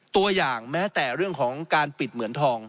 ตัวอย่างแม้แต่เรื่องของการปิดเหมือนทอง